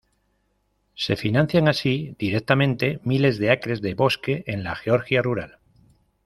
Se financian así directamente miles de acres de bosque en la Georgia rural.